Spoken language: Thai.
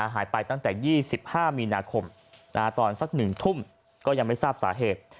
หายไปตั้งแต่๒๕มีนาคมตอนสัก๑ทุ่มก็ยังไม่ทราบสาเหตุ